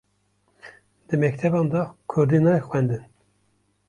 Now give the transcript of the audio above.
Di mekteban de Kurdî nayê xwendin